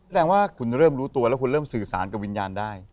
แสดงว่าคุณเริ่มรู้ตัวแล้วคุณเริ่มสื่อสารกับวิญญาณได้